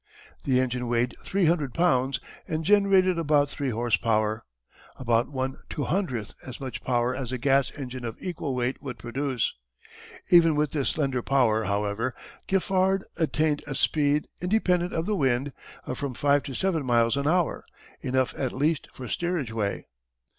The engine weighed three hundred pounds and generated about 3 H. P. about 1/200 as much power as a gas engine of equal weight would produce. Even with this slender power, however, Giffard attained a speed, independent of the wind, of from five to seven miles an hour enough at least for steerage way.